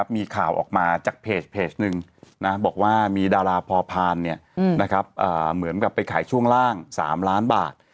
มีข่าวออกมาจากเพจหนึ่งบอกว่ามีดาราพอพานเหมือนกับไปขายช่วงล่าง๓ล้านบาท